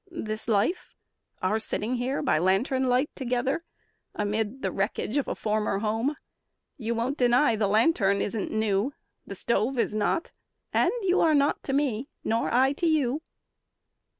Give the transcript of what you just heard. "This life? Our sitting here by lantern light together Amid the wreckage of a former home? You won't deny the lantern isn't new. The stove is not, and you are not to me, Nor I to you."